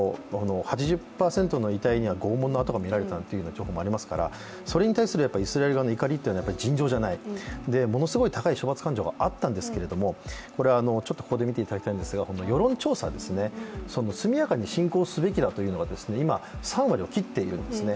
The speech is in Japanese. ８０％の遺体には拷問の痕がみられたということもありますからそれに対するイスラエル側の怒りって尋常じゃない、ものすごい処罰感情があったんですけれども世論調査ですね、速やかに侵攻すべきだというのが、今、３割を切っているんですね。